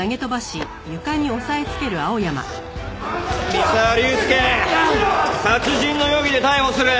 三沢龍介殺人の容疑で逮捕する。